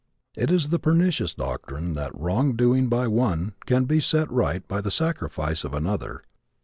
It is the pernicious doctrine that wrong doing by one can be set right by the sacrifice of another.